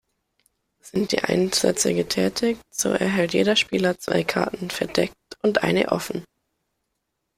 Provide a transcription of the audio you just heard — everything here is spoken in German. Sind die Einsätze getätigt, so erhält jeder Spieler zwei Karten verdeckt und eine offen.